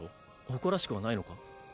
誇らしくはないのか？